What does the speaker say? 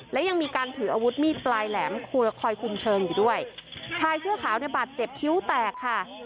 และยังมีการถืออาวุธมีดปลายแหลมคอยคุมเชิงอยู่ด้วยชายเสื้อขาวในบาดเจ็บคิ้วแตกค่ะ